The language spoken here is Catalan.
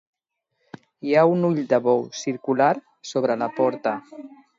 Hi ha un ull de bou circular sobre la porta.